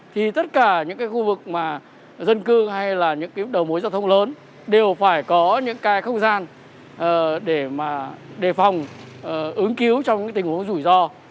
thì tất cả những cái khu vực mà dân cư hay là những cái đầu mối giao thông lớn đều phải có những cái không gian để mà đề phòng ứng cứu trong những tình huống rủi ro